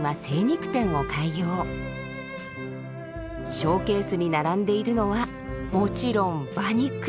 ショーケースに並んでいるのはもちろん馬肉。